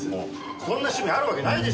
そんな趣味あるわけないでしょう。